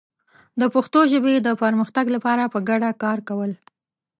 د پښتو ژبې د پرمختګ لپاره په ګډه کار کول